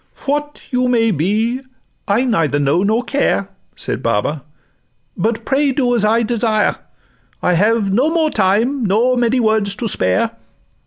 'What you may be, I neither know nor care,' Said Baba; 'but pray do as I desire: I have no more time nor many words to spare.